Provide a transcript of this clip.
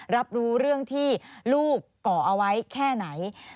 รับรู้เรื่องที่ลูกก่อเอาไว้แค่ไหน